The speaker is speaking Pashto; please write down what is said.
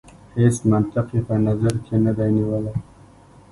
هیڅ منطق یې په نظر کې نه دی نیولی.